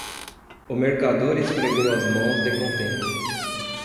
O mercador esfregou as mãos de contente.